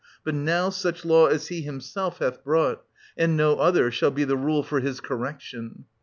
But now such law as he himself hath brought, and no other, shall be the rule for his correction.